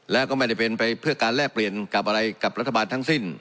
แล้วก็ไม่ได้เป็นไปเพื่อการแลกเปลี่ยนกับอะไรกับรัฐบาลทั้งสิ้น